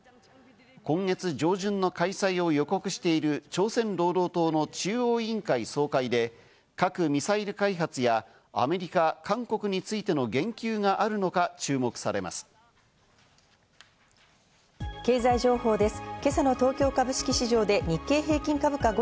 今月上旬の開催を予告している朝鮮労働党の中央委員会総会で核・ミサイル開発や、アメリカ、韓国についての言及があるのか注経済情報です。